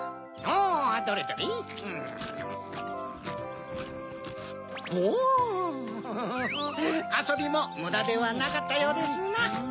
あそびもむだではなかったようですな。